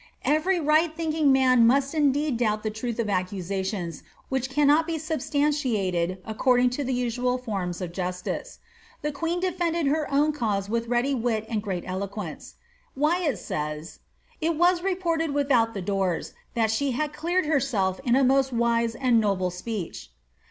Every right thinking man roust indeed doubt the tmth of accusations, which cannot be substantiated according to tlie usual forms of justice. The queen defended her own cause with ready wit and great eloquence. Wyatt says, ^^ It was reported without the doors, that she had cleared herself in a most wise and noble speech."